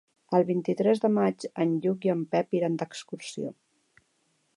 El vint-i-tres de maig en Lluc i en Pep iran d'excursió.